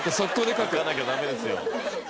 書かなきゃダメですよ。